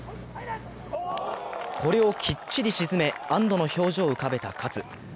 これをきっちり沈め、安どの表情を浮かべた勝つ。